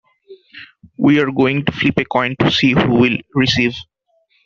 We're going to flip a coin to see who will receive.